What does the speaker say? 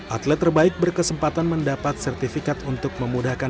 atlet terbaik berkesempatan mendapat sertifikat untuk memudahkan